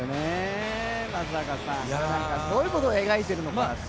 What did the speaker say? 松坂さんどういうことを描いているのかと。